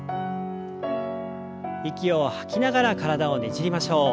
息を吐きながら体をねじりましょう。